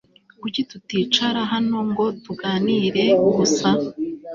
Kuki tuticara hano ngo tuganire gusa